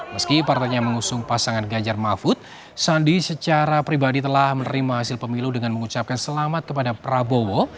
meski partainya mengusung pasangan ganjar mahfud sandi secara pribadi telah menerima hasil pemilu dengan mengucapkan selamat kepada prabowo